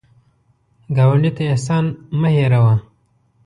ګاونډي ته احسان مه هېر وهه